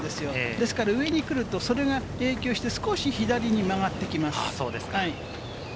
ですから、上に来ると、それが影響して、少し左に曲がってきます。